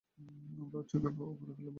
আমরা ওর চোখ উপড়ে ফেলব!